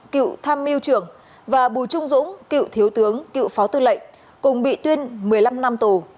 cựu tham mưu trưởng và bùi trung dũng cựu thiếu tướng cựu phó tư lệnh cùng bị tuyên một mươi năm năm tù